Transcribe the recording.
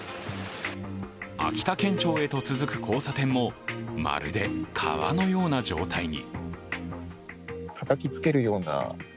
秋田県庁へと続く交差点もまるで川のような状態に。